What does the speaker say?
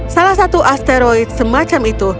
salah satu asteroid semacam itu